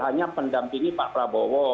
hanya pendampingi pak prabowo